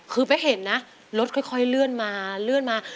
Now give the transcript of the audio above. คือไปเห็นนะรถค่อยเลื่อนมาเลื่อนมา